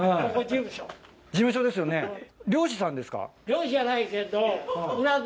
事務所ですよね漁師さんですか？